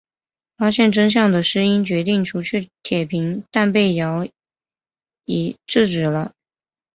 发现真相的诗音决定除去铁平但被圭一制止了。